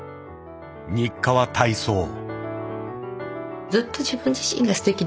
日課は体操。